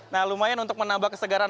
nah lumayan untuk menambah kesegaran